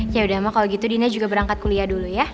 yaudah ama kalau gitu dina juga berangkat kuliah dulu ya